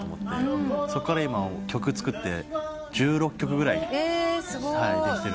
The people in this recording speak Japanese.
そこから今曲作って１６曲ぐらいできてるんですよ。